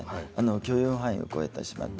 許容範囲を超えてしまった。